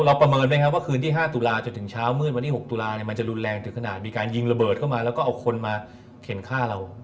ประเมินไหมครับว่าคืนที่๕ตุลาจนถึงเช้ามืดวันที่๖ตุลาเนี่ยมันจะรุนแรงถึงขนาดมีการยิงระเบิดเข้ามาแล้วก็เอาคนมาเข็นฆ่าเรา